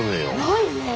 ないね！